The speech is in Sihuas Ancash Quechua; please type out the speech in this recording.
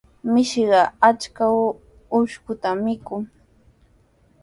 Mishiqa achka ukushtami mikun.